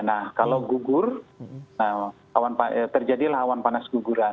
nah kalau gugur terjadilah awan panas guguran